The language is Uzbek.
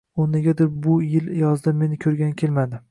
U negadir bu yil yozda meni koʻrgani kelmadi.